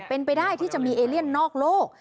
เป็นไปได้ที่จะมีเอเลียนนอกโลก